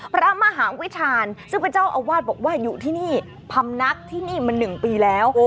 พระมหาวิชาญซึ่งเป็นเจ้าอาวาสบอกว่าอยู่ที่นี่พำนักที่นี่มา๑ปีแล้ว